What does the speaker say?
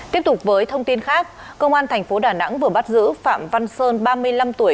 tiếp tục với thông tin khác công an thành phố đà nẵng vừa bắt giữ phạm văn sơn ba mươi năm tuổi